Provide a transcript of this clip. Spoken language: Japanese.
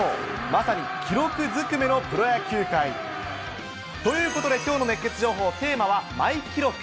まさに記録ずくめのプロ野球界。ということで、きょうの熱ケツ情報、テーマは、マイ記録。